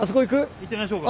行ってみましょうか。